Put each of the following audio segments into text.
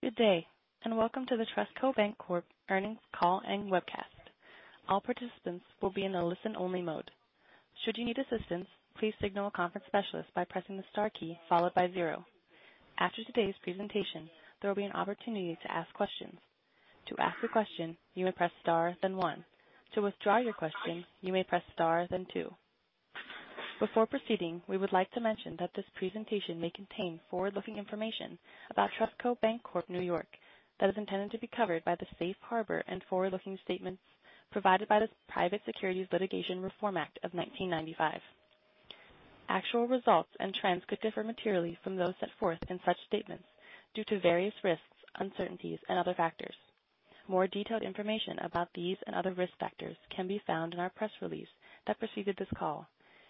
Good day, and welcome to the TrustCo Bank Corp earnings call and webcast. Our participants will be in a listen-only mode. Should you need assistance, please signal conference specialist by pressing the star key followed by zero. After today's presentation, there will be an opportunity to ask questions. To ask a question you may press star then one. To withdraw your question, you may press star then two. Before proceeding, we would like to mention that this presentation may contain forward-looking information about TrustCo Bank Corp, New York that is intended to be covered by the safe harbor and forward-looking statements provided by the Private Securities Litigation Reform Act of 1995. Actual results and trends could differ materially from those set forth in such statements due to various risks, uncertainties, and other factors. More detailed information about these and other risk factors can be found in our press release that preceded this call,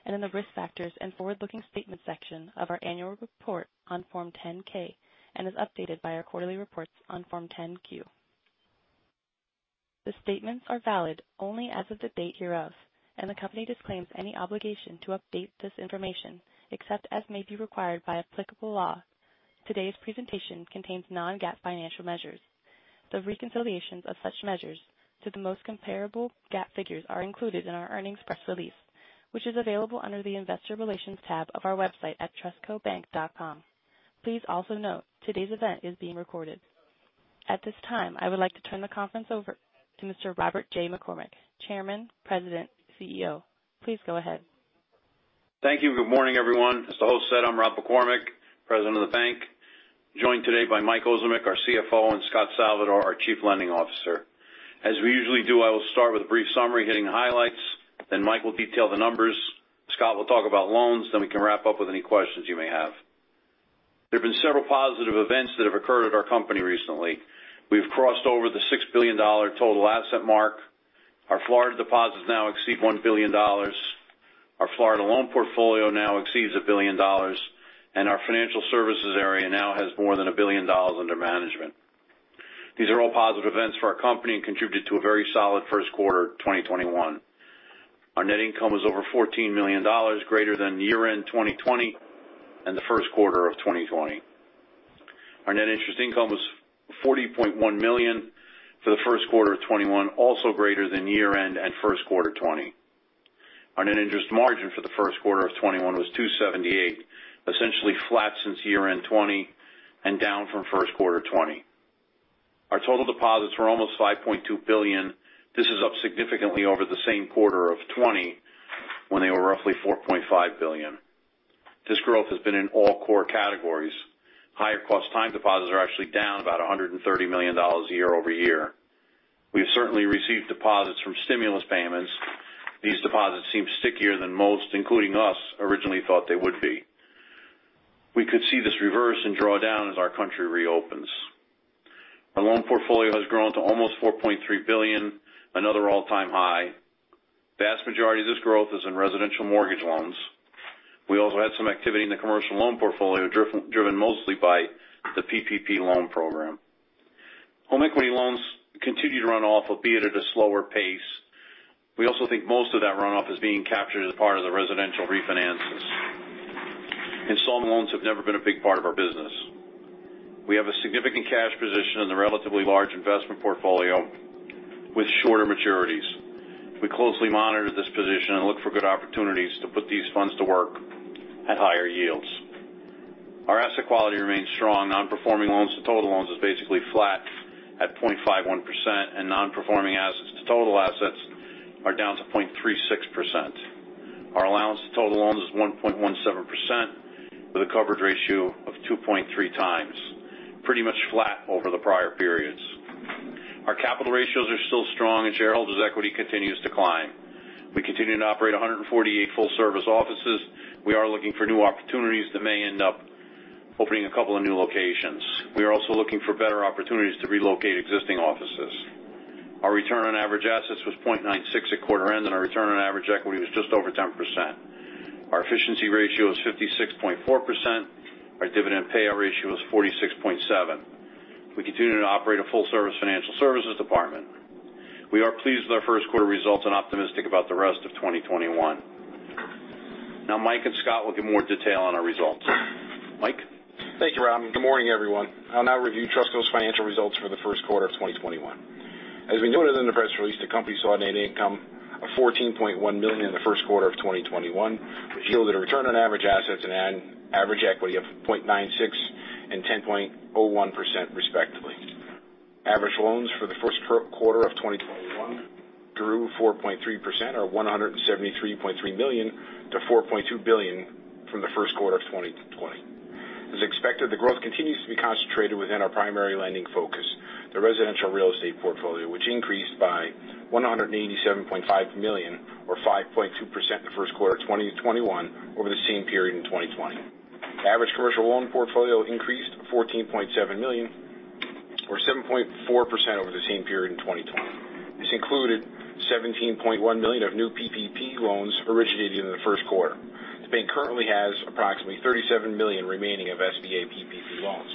and in the Risk Factors and Forward-Looking Statements section of our annual report on Form 10-K, and is updated by our quarterly reports on Form 10-Q. The statements are valid only as of the date hereof, and the company disclaims any obligation to update this information, except as may be required by applicable law. Today's presentation contains non-GAAP financial measures. The reconciliations of such measures to the most comparable GAAP figures are included in our earnings press release, which is available under the Investor Relations tab of our website at trustcobank.com. Please also note, today's event is being recorded. At this time, I would like to turn the conference over to Mr. Robert J. McCormick, Chairman, President, CEO. Please go ahead. Thank you. Good morning, everyone. As the host said, I'm Rob McCormick, President of the bank, joined today by Mike Ozimek, our CFO, and Scot Salvador, our Chief Lending Officer. As we usually do, I will start with a brief summary hitting the highlights, then Mike will detail the numbers. Scot R. will talk about loans, then we can wrap up with any questions you may have. There have been several positive events that have occurred at our company recently. We've crossed over the $6 billion total asset mark. Our Florida deposits now exceed $1 billion. Our Florida loan portfolio now exceeds $1 billion, and our financial services area now has more than $1 billion under management. These are all positive events for our company and contributed to a very solid first quarter 2021. Our net income was over $14 million, greater than year-end 2020 and the first quarter of 2020. Our net interest income was $40.1 million for the first quarter of 2021, also greater than year-end and first quarter 2020. Our net interest margin for the first quarter of 2021 was 2.78%, essentially flat since year-end 2020 and down from first quarter 2020. Our total deposits were almost $5.2 billion. This is up significantly over the same quarter of 2020 when they were roughly $4.5 billion. This growth has been in all core categories. Higher cost time deposits are actually down about $130 million year-over-year. We have certainly received deposits from stimulus payments. These deposits seem stickier than most, including us, originally thought they would be. We could see this reverse and draw down as our country reopens. Our loan portfolio has grown to almost $4.3 billion, another all-time high. Vast majority of this growth is in residential mortgage loans. We also had some activity in the commercial loan portfolio, driven mostly by the PPP loan program. Home equity loans continue to run off, albeit at a slower pace. We also think most of that runoff is being captured as part of the residential refinances. Installment loans have never been a big part of our business. We have a significant cash position in the relatively large investment portfolio with shorter maturities. We closely monitor this position and look for good opportunities to put these funds to work at higher yields. Our asset quality remains strong. Non-performing loans to total loans is basically flat at 0.51%, and non-performing assets to total assets are down to 0.36%. Our allowance to total loans is 1.17% with a coverage ratio of 2.3x. Pretty much flat over the prior periods. Our capital ratios are still strong and shareholders' equity continues to climb. We continue to operate 148 full-service offices. We are looking for new opportunities that may end up opening a couple of new locations. We are also looking for better opportunities to relocate existing offices. Our return on average assets was 0.96 at quarter end, and our return on average equity was just over 10%. Our efficiency ratio is 56.4%. Our dividend payout ratio is 46.7%. We continue to operate a full-service financial services department. We are pleased with our first quarter results and optimistic about the rest of 2021. Now Mike and Scot will give more detail on our results. Mike? Thank you, Rob, and good morning, everyone. I'll now review TrustCo's financial results for the first quarter of 2021. As we noted in the press release, the company saw a net income of $14.1 million in the first quarter of 2021, which yielded a return on average assets and average equity of 0.96 and 10.01%, respectively. Average loans for the first quarter of 2021 grew 4.3% or $173.3 million-$4.2 billion from the first quarter of 2020. As expected, the growth continues to be concentrated within our primary lending focus, the residential real estate portfolio, which increased by $187.5 million or 5.2% in the first quarter of 2021 over the same period in 2020. Average commercial loan portfolio increased $14.7 million or 7.4% over the same period in 2020. This included $17.1 million of new PPP loans originated in the first quarter. The bank currently has approximately $37 million remaining of SBA PPP loans.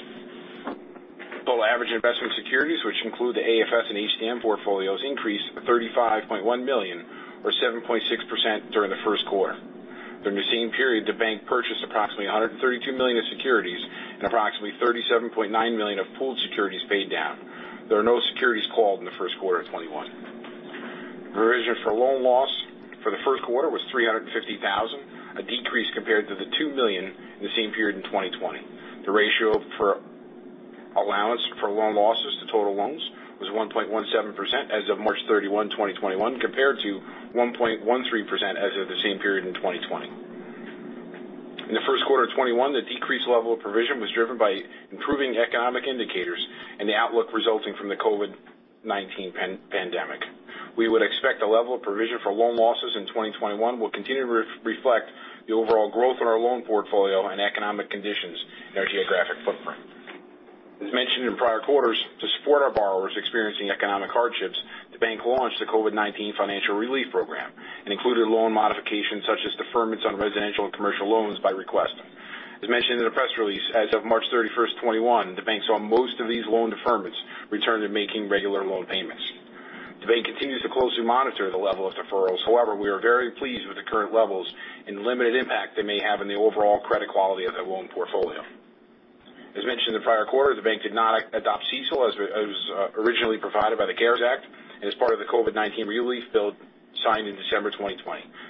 Total average investment securities, which include the AFS and HTM portfolios, increased $35.1 million or 7.6% during the first quarter. During the same period, the bank purchased approximately $132 million of securities and approximately $37.9 million of pooled securities paid down. There are no securities called in the first quarter of 2021. Provision for loan loss for the first quarter was $350,000, a decrease compared to the $2 million in the same period in 2020. The ratio for allowance for loan losses to total loans was 1.17% as of March 31, 2021, compared to 1.13% as of the same period in 2020. In the first quarter of 2021, the decreased level of provision was driven by improving economic indicators and the outlook resulting from the COVID-19 pandemic. We would expect the level of provision for loan losses in 2021 will continue to reflect the overall growth in our loan portfolio and economic conditions in our geographic footprint. As mentioned in prior quarters, to support our borrowers experiencing economic hardships, the bank launched the COVID-19 Financial Relief Program. It included loan modifications such as deferments on residential and commercial loans by request. As mentioned in the press release, as of March 31, 2021, the bank saw most of these loan deferments return to making regular loan payments. The bank continues to closely monitor the level of deferrals. However, we are very pleased with the current levels and the limited impact they may have on the overall credit quality of the loan portfolio. As mentioned in the prior quarter, the bank did not adopt CECL as originally provided by the CARES Act and as part of the COVID-19 relief bill signed in December 2020.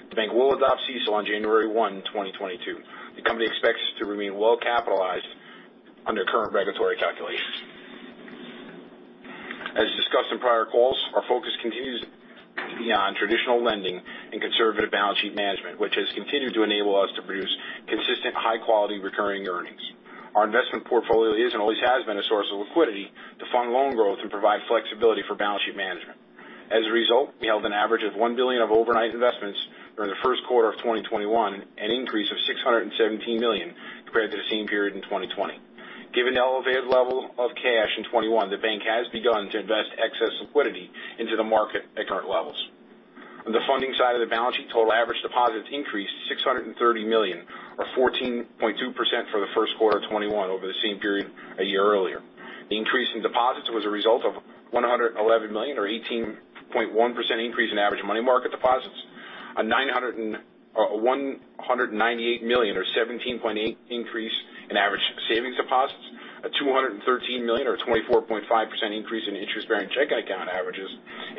The bank will adopt CECL on January 1, 2022. The company expects to remain well-capitalized under current regulatory calculations. As discussed in prior calls, our focus continues to be on traditional lending and conservative balance sheet management, which has continued to enable us to produce consistent, high-quality recurring earnings. Our investment portfolio is and always has been a source of liquidity to fund loan growth and provide flexibility for balance sheet management. As a result, we held an average of $1 billion of overnight investments during the first quarter of 2021, an increase of $617 million compared to the same period in 2020. Given the elevated level of cash in 2021, the bank has begun to invest excess liquidity into the market at current levels. On the funding side of the balance sheet, total average deposits increased $630 million or 14.2% for the first quarter of 2021 over the same period a year earlier. The increase in deposits was a result of $111 million or 18.1% increase in average money market deposits, a $198 million or 17.8% increase in average savings deposits, a $213 million or 24.5% increase in interest-bearing checking account averages,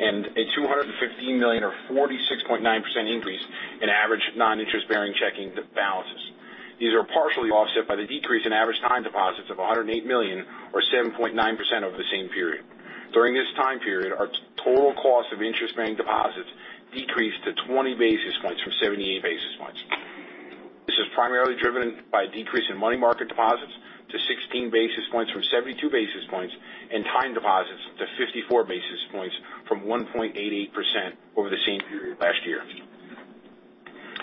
and a $215 million or 46.9% increase in average non-interest-bearing checking balances. These are partially offset by the decrease in average time deposits of $108 million or 7.9% over the same period. During this time period, our total cost of interest-bearing deposits decreased to 20 basis points from 78 basis points. This is primarily driven by a decrease in money market deposits to 16 basis points from 72 basis points, and time deposits to 54 basis points from 1.88% over the same period last year.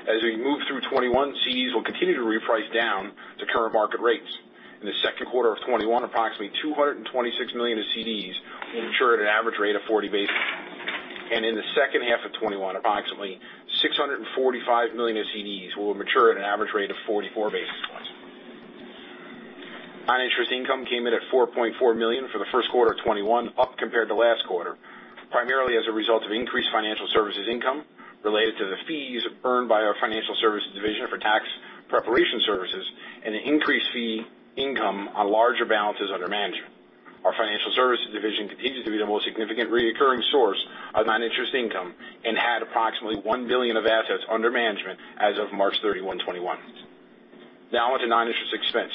As we move through 2021, CDs will continue to reprice down to current market rates. In the second quarter of 2021, approximately $226 million of CDs will mature at an average rate of 40 basis points. In the second half of 2021, approximately $645 million of CDs will mature at an average rate of 44 basis points. Non-interest income came in at $4.4 million for the first quarter of 2021, up compared to last quarter, primarily as a result of increased financial services income related to the fees earned by our financial services division for tax preparation services and an increased fee income on larger balances under management. Our financial services division continues to be the most significant recurring source of non-interest income and had approximately $1 billion of assets under management as of March 31, 2021. On to non-interest expense.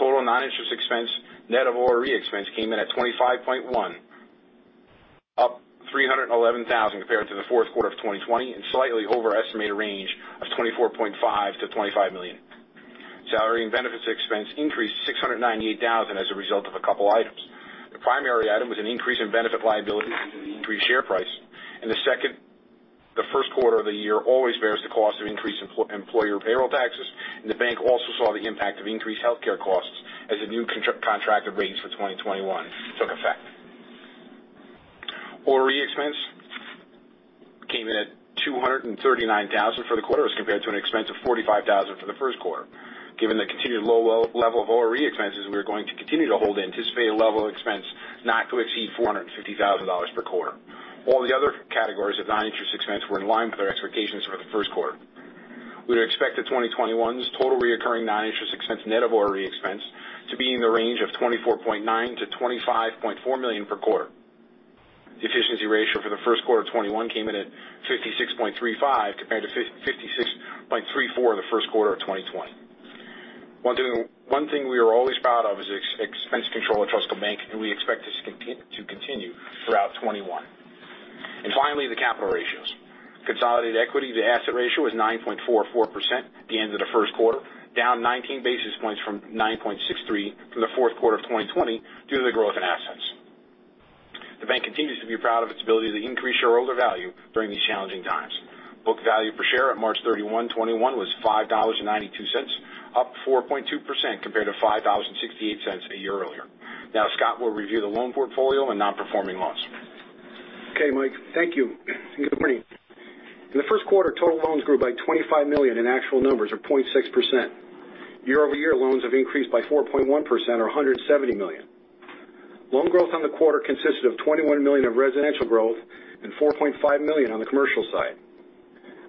Total non-interest expense, net of ORE expense, came in at $25.1, up $311,000 compared to the fourth quarter of 2020 and slightly over estimated range of $24.5 million-$25 million. Salary and benefits expense increased to $698,000 as a result of a couple items. The primary item was an increase in benefit liabilities due to the increased share price. The second, the first quarter of the year always bears the cost of increased employer payroll taxes, and the bank also saw the impact of increased healthcare costs as the new contracted rates for 2021 took effect. ORE expense came in at $239,000 for the quarter as compared to an expense of $45,000 for the first quarter. Given the continued low level of ORE expenses, we're going to continue to hold anticipated level expense not to exceed $450,000 per quarter. All the other categories of non-interest expense were in line with our expectations for the first quarter. We'd expect that 2021's total reoccurring non-interest expense net of ORE expense to be in the range of $24.9 million-$25.4 million per quarter. The efficiency ratio for the first quarter of 2021 came in at 56.35 compared to 56.34 the first quarter of 2020. One thing we are always proud of is expense control at TrustCo Bank, we expect this to continue throughout 2021. Finally, the capital ratios. Consolidated equity-to-asset ratio is 9.44% at the end of the first quarter, down 19 basis points from 9.63 from the fourth quarter of 2020 due to the growth in assets. The bank continues to be proud of its ability to increase shareholder value during these challenging times. Book value per share at March 31, 2021 was $5.92, up 4.2% compared to $5.68 a year earlier. Scot will review the loan portfolio and non-performing loans. Okay, Mike. Thank you. Good morning. In the first quarter, total loans grew by $25 million in actual numbers or 0.6%. Year-over-year, loans have increased by 4.1% or $170 million. Loan growth on the quarter consisted of $21 million of residential growth and $4.5 million on the commercial side.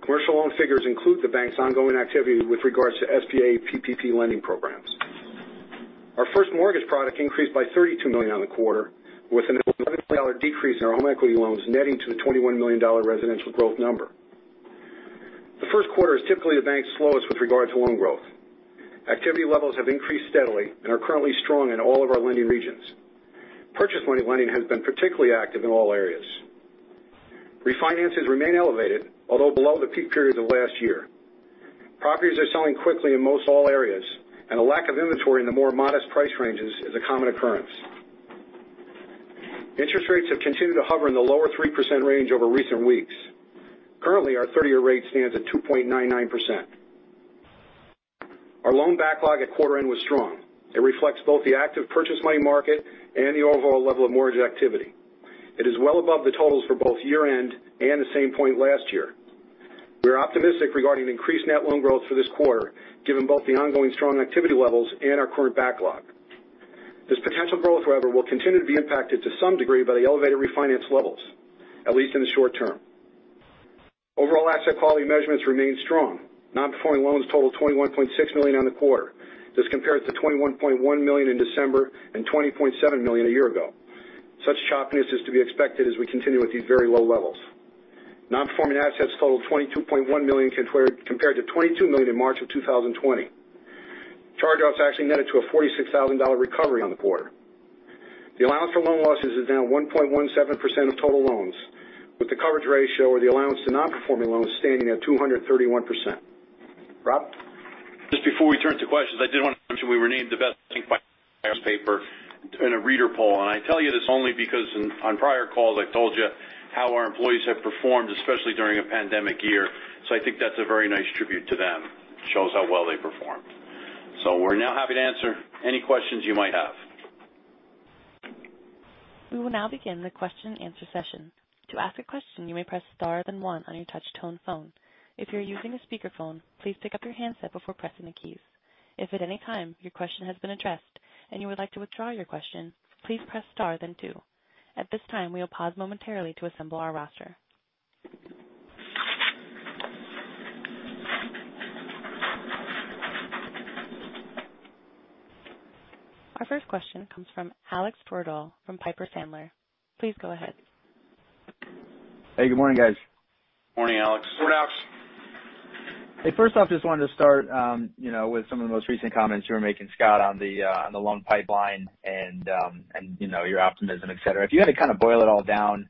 Commercial loan figures include the bank's ongoing activity with regards to SBA PPP lending programs. Our first mortgage product increased by $32 million on the quarter, with an $11 million decrease in our home equity loans, netting to the $21 million residential growth number. The first quarter is typically the bank's slowest with regard to loan growth. Activity levels have increased steadily and are currently strong in all of our lending regions. Purchase money lending has been particularly active in all areas. Refinances remain elevated, although below the peak period of last year. Properties are selling quickly in most all areas, and a lack of inventory in the more modest price ranges is a common occurrence. Interest rates have continued to hover in the lower 3% range over recent weeks. Currently, our 30-year rate stands at 2.99%. Our loan backlog at quarter end was strong. It reflects both the active purchase money market and the overall level of mortgage activity. It is well above the totals for both year-end and the same point last year. We are optimistic regarding increased net loan growth for this quarter, given both the ongoing strong activity levels and our current backlog. This potential growth, however, will continue to be impacted to some degree by the elevated refinance levels, at least in the short term. Overall asset quality measurements remain strong. Non-performing loans total $21.6 million on the quarter. This compared to $21.1 million in December and $20.7 million a year ago. Such sharpness is to be expected as we continue with these very low levels. Non-performing assets totaled $22.1 million compared to $22 million in March of 2020. Charge-offs actually netted to a $46,000 recovery on the quarter. The allowance for loan losses is now 1.17% of total loans, with the coverage ratio or the allowance to non-performing loans standing at 231%. Rob? Just before we turn to questions, I did want to mention we were named the best bank by newspaper in a reader poll. I tell you this only because on prior calls I told you how our employees have performed, especially during a pandemic year. I think that's a very nice tribute to them. Shows how well they performed. We're now happy to answer any questions you might have. We will now begin the question-and-answer session. To ask a question, you may press star then one on your touch-tone phone. If you're using a speaker phone, please pick up your handset before pressing the keys. If at any time your question has been addressed and you'd like to withdraw your question, please press star then two. At this time, we will pause momentarily to assemble the roster. Our first question comes from Alexander Twerdahl from Piper Sandler. Please go ahead. Hey, good morning, guys. Morning, Alex. Morning, Alex. Hey, first off, just wanted to start with some of the most recent comments you were making, Scot, on the loan pipeline and your optimism, et cetera. If you had to kind of boil it all down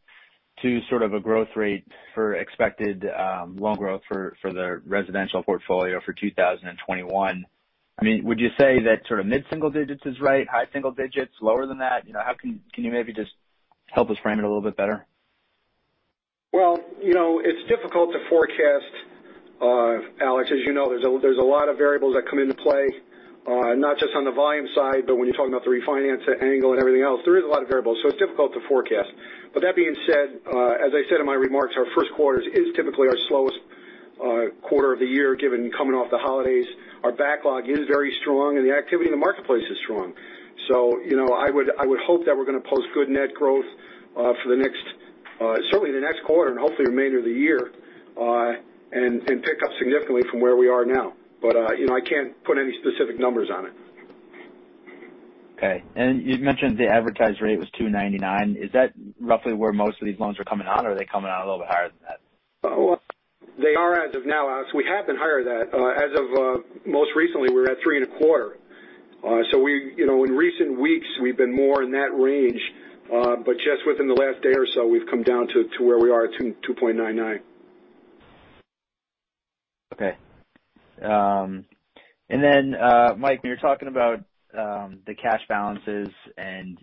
to sort of a growth rate for expected loan growth for the residential portfolio for 2021, would you say that sort of mid-single digits is right, high single digits, lower than that? Can you maybe just help us frame it a little bit better? It's difficult to forecast, Alex. As you know, there's a lot of variables that come into play, not just on the volume side, but when you're talking about the refinance angle and everything else. There is a lot of variables, so it's difficult to forecast. That being said, as I said in my remarks, our first quarter is typically our slowest quarter of the year given coming off the holidays. Our backlog is very strong, and the activity in the marketplace is strong. I would hope that we're going to post good net growth for certainly the next quarter and hopefully the remainder of the year, and pick up significantly from where we are now. I can't put any specific numbers on it. Okay. You mentioned the advertised rate was 2.99%. Is that roughly where most of these loans are coming out, or are they coming out a little bit higher than that? They are as of now, Alex. We have been higher than that. As of most recently, we were at three and a quarter. In recent weeks, we've been more in that range. Just within the last day or so, we've come down to where we are at 2.99%. Okay. Mike, when you're talking about the cash balances and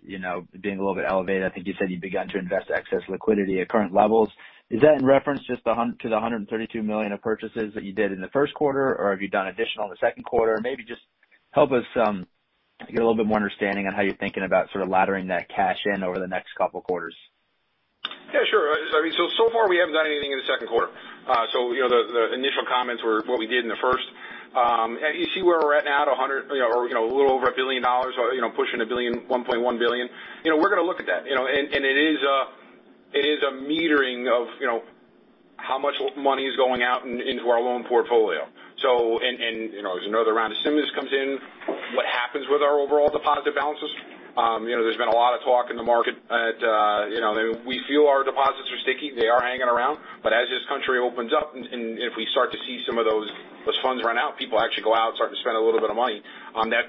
being a little bit elevated, I think you said you'd begun to invest excess liquidity at current levels. Is that in reference just to the $132 million of purchases that you did in the first quarter, or have you done additional in the second quarter? Maybe just help us get a little bit more understanding on how you're thinking about sort of laddering that cash in over the next couple quarters. Yeah, sure. Far, we haven't done anything in the second quarter. The initial comments were what we did in the first. You see where we're at now at a little over $1 billion, pushing $1 billion, $1.1 billion. We're going to look at that. It is a metering of how much money is going out into our loan portfolio. As another round of stimulus comes in, what happens with our overall deposit balances? There's been a lot of talk in the market. We feel our deposits are sticky. They are hanging around. As this country opens up and if we start to see some of those funds run out, people actually go out and start to spend a little bit of money,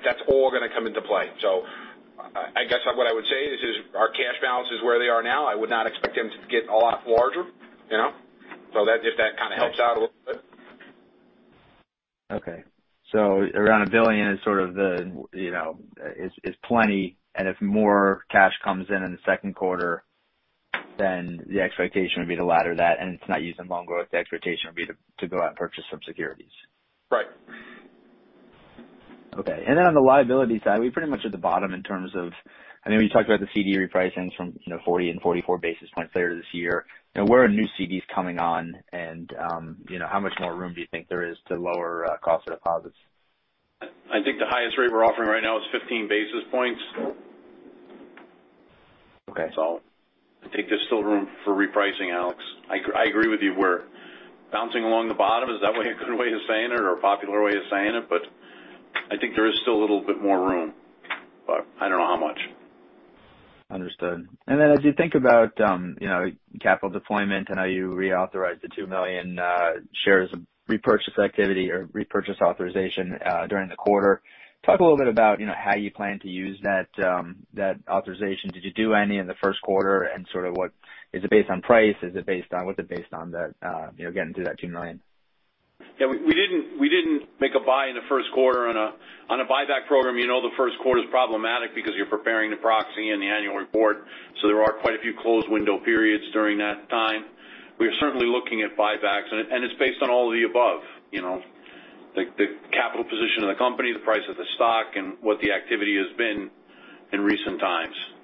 that's all going to come into play. I guess what I would say is our cash balances where they are now, I would not expect them to get a lot larger. If that kind of helps out a little bit. Okay. Around $1 billion is plenty, and if more cash comes in in the second quarter, then the expectation would be to ladder that, and it's not used in loan growth. The expectation would be to go out and purchase some securities. Right. Okay. On the liability side, we're pretty much at the bottom in terms of, I know you talked about the CD repricings from 40 and 44 basis points later this year. Where are new CDs coming on, and how much more room do you think there is to lower cost of deposits? I think the highest rate we're offering right now is 15 basis points. Okay. I think there's still room for repricing, Alex. I agree with you. We're bouncing along the bottom. Is that a good way of saying it or a popular way of saying it? I think there is still a little bit more room, but I don't know how much. Understood. As you think about capital deployment and how you reauthorized the 2 million shares of repurchase activity or repurchase authorization during the quarter, talk a little bit about how you plan to use that authorization. Did you do any in the first quarter? Sort of what is it based on price? What's it based on getting to that 2 million? We didn't make a buy in the first quarter on a buyback program. You know the first quarter is problematic because you're preparing the proxy and the annual report. There are quite a few closed window periods during that time. We are certainly looking at buybacks, and it's based on all of the above. The capital position of the company, the price of the stock, and what the activity has been in recent times.